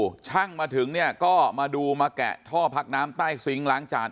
ช่างมาถึงเนี่ยก็มาดูมาแกะท่อพักน้ำใต้ซิงค์ล้างจาน